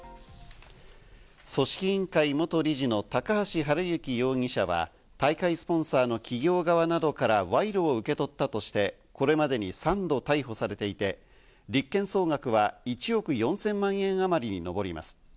組織委員会・元理事の高橋治之容疑者は、大会スポンサーの企業側などから賄賂を受け取ったとして、これまでに３度逮捕されていて、立件総額は１億４０００万円あまりに上ります。